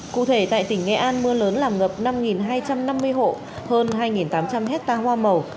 cụ thể tại tỉnh nghệ an mưa lớn làm ngập năm hai trăm năm mươi hộ hơn hai tám trăm linh hectare hoa màu